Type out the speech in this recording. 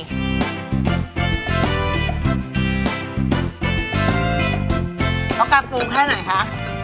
แล้วก็ซูลให้หน่อยคะ